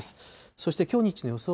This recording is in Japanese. そしてきょう日中の予想